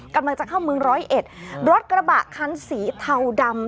กำลังจะเข้าเมืองร้อยเอ็ดรถกระบะคันสีเทาดำ